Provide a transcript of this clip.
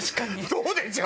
そうでしょ？